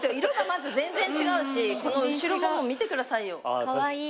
色がまず全然違うしこの後ろも見てくださいよ。